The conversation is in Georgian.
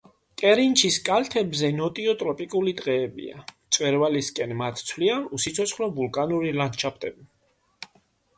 კერინჩის კალთებზე ნოტიო ტროპიკული ტყეებია, მწვერვალისკენ მათ ცვლიან უსიცოცხლო ვულკანური ლანდშაფტები.